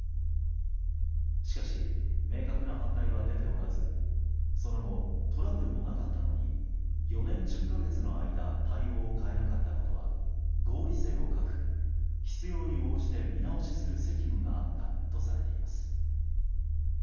しかし、明確な反対は出ておらずその後トラブルもなかったのに４年１０か月の間対応を変えなかったことは合理性を欠く必要に応じて見直しする責務があったとされています。